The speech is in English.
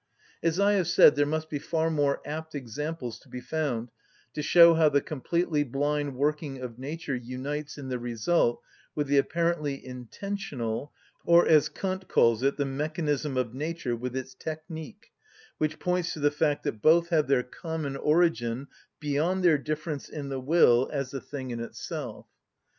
As I have said, there must be far more apt examples to be found to show how the completely blind working of nature unites in the result with the apparently intentional, or, as Kant calls it, the mechanism of nature with its technic; which points to the fact that both have their common origin beyond their difference in the will as the thing in itself.